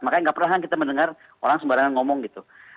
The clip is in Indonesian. makanya gak perlahan kita mendengar orang sembarangan ngomong gitu